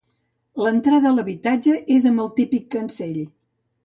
L'entrada a l'habitatge és amb el típic cancell.